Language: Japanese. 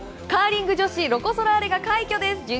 カーリング女子ロコ・ソラーレが快挙です。